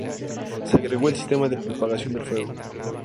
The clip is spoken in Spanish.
Se agregó el sistema de propagación del fuego.